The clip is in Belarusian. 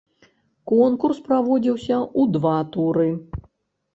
Конкурс праводзіўся ў два туры.